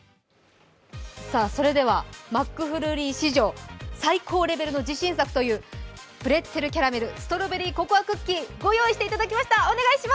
それではマックフルーリー史上最高レベルの自信作というプレッツェルキャラメル、ストロベリーココアクッキー、ご用意していただきました。